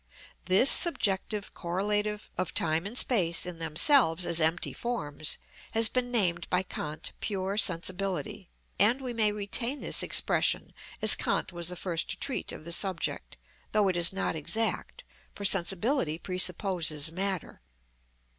This subjective correlative of time and space in themselves as empty forms, has been named by Kant pure sensibility; and we may retain this expression, as Kant was the first to treat of the subject, though it is not exact, for sensibility presupposes matter.